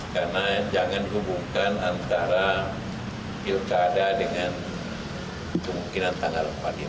karena jangan hubungkan antara ilkada dengan kemungkinan tanggal empat